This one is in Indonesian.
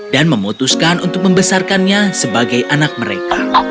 dan memutuskan untuk membesarkannya sebagai anak mereka